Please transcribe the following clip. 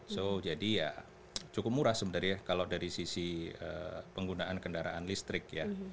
so jadi ya cukup murah sebenarnya kalau dari sisi penggunaan kendaraan listrik ya